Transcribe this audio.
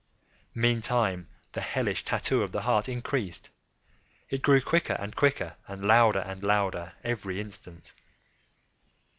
Meantime the hellish tattoo of the heart increased. It grew quicker and quicker, and louder and louder every instant.